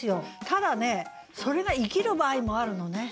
ただねそれが生きる場合もあるのね。